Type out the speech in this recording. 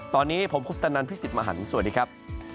ตอนนี้ผมคุณตนันพิศิษฐ์มหันต์สวัสดีครับ